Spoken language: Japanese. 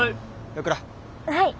はい！